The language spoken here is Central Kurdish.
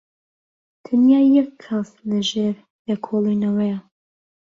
تەنیا یەک کەس لەژێر لێکۆڵینەوەیە.